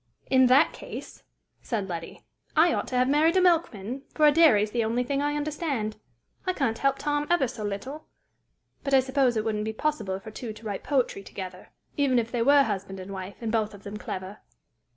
"In that case," said Letty, "I ought to have married a milkman, for a dairy is the only thing I understand. I can't help Tom ever so little! But I suppose it wouldn't be possible for two to write poetry together, even if they were husband and wife, and both of them clever!"